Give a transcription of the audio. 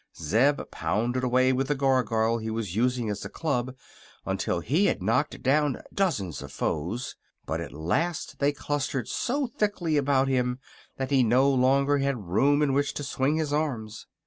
Zeb pounded away with the Gargoyle he was using as a club until he had knocked down dozens of foes; but at the last they clustered so thickly about him that he no longer had room in which to swing his arms.